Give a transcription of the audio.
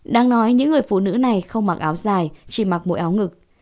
đang nói những người phụ nữ này không mặc áo dài chỉ mặc mỗi áo ngực